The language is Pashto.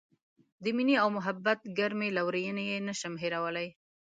د مینې او محبت ګرمې لورینې یې نه شم هیرولای.